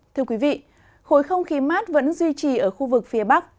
thưa quý vị khối không khí mát vẫn duy trì ở khu vực phía bắc